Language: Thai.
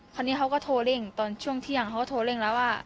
คราวนี้เขาก็โทรเร่งตอนช่วงเที่ยงเขาก็โทรเร่งแล้วว่า